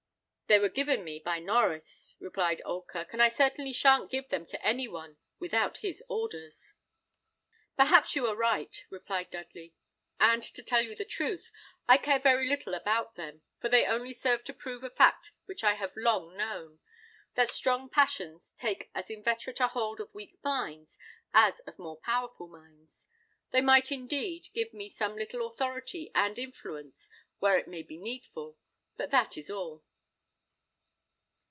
"They were given me by Norries," replied Oldkirk; "and I certainly shan't give them to any one without his orders." "Perhaps you are right," replied Dudley; "and to tell you the truth, I care very little about them, for they only serve to prove a fact which I have long known: that strong passions take as inveterate a hold of weak minds as of more powerful minds. They might, indeed, give me some little authority and influence where it may be needful, but that is all."